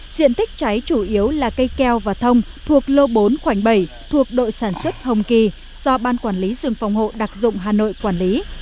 diện tích cháy chủ yếu là cây keo và thông thuộc lô bốn khoảnh bảy thuộc đội sản xuất hồng kỳ do ban quản lý rừng phòng hộ đặc dụng hà nội quản lý